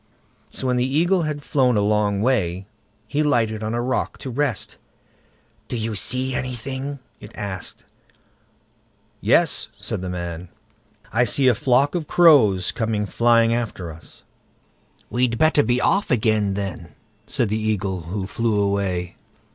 So when the Eagle had flown a long way, he lighted on a rock to rest. "Do you see anything?" it asked. "Yes", said the man, "I see a flock of crows coming flying after us." "We'd better be off again, then", said the Eagle, who flew away.